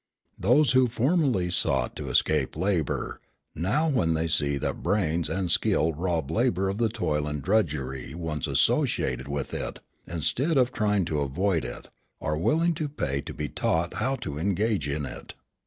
Those who formerly sought to escape labour, now when they see that brains and skill rob labour of the toil and drudgery once associated with it, instead of trying to avoid it, are willing to pay to be taught how to engage in it.